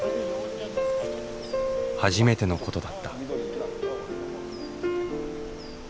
初めてのことだった。